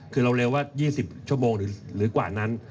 คือเราเร็วว่า๒๐ชั่วโมงหรือกว่านั้น